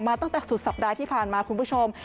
ตั้งแต่สุดสัปดาห์ที่ผ่านมาคุณผู้ชม